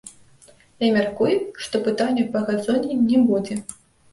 Я мяркую, што пытанняў па газоне не будзе.